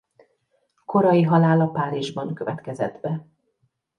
Korai halála Párizsban következett be.